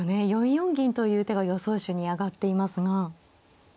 ４四銀という手が予想手に挙がっていますが。